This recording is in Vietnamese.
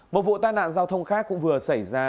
một vụ tai nạn giao thông khác cũng vừa xảy ra